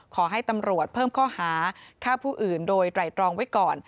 ขอให้ตำรวจเพิ่มข้อหาฆ่าผู้อื่นโดยไตรตรองไว้ก่อน